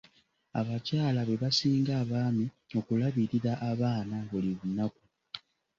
Abakyala be basinga abaami okulabirira abaana buli lunaku.